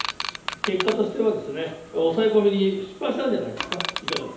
結果としては抑え込みに失敗したんじゃないですか。